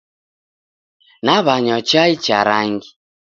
Naw'anywa chai cha rangi.